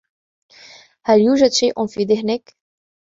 هل يوجد شيئ في ذهنك؟